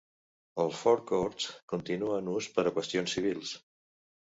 El Four Courts continua en ús per a qüestions civils.